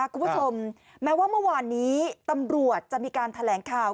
คุณผู้ชมแม้ว่าเมื่อวานนี้ตำรวจจะมีการแถลงข่าว